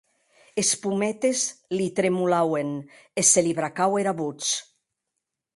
Es pometes li tremolauen, e se li bracaue era votz.